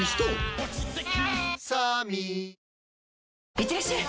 いってらっしゃい！